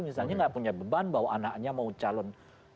misalnya nggak punya beban bahwa anaknya mau calon